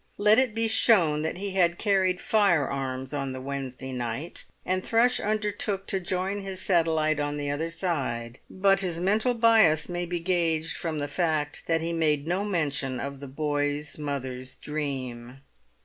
Let it be shown that he had carried firearms on the Wednesday night, and Thrush undertook to join his satellite on the other side; but his mental bias may be gauged from the fact that he made no mention of the boy's mother's dream.